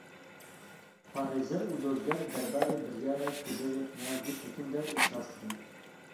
Parêzer û dozger derbarê biryara kujerê Pinar Gultekin de îtiraz kirin.